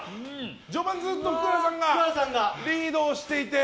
序盤ずっと福原さんがリードをしていて。